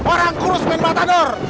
orang kurus main matador